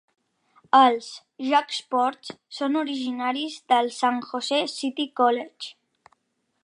Els Jagsports són originaris del San Jose City College.